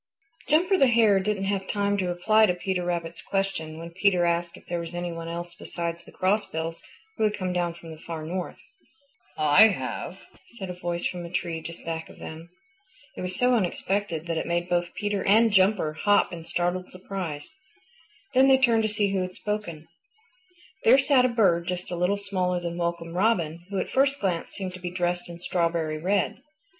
Jumper the Hare didn't have time to reply to Peter Rabbit's question when Peter asked if there was any one else besides the Crossbills who had come down from the Far North. "I have," said a voice from a tree just back of them. It was so unexpected that it made both Peter and Jumper hop in startled surprise. Then they turned to see who had spoken. There sat a bird just a little smaller than Welcome Robin, who at first glance seemed to be dressed in strawberry red.